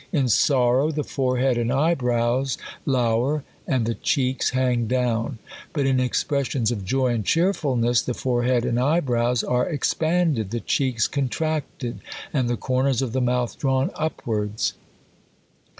In sorrow the forehead and eyebrows lour, and the checks hang down. But in expressions of joy and cheerfulness, the foreheed and eyebrows are expanded, the checks contracted, and the corners of the mouth drawn up wards.